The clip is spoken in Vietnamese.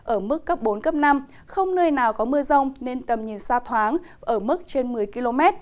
ở mức cấp bốn cấp năm không nơi nào có mưa rông nên tầm nhìn xa thoáng ở mức trên một mươi km